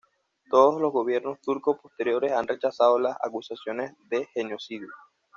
Todos los gobiernos turcos posteriores han rechazado las acusaciones de genocidio.